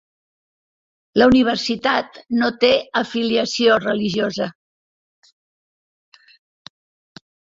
La universitat no té afiliació religiosa.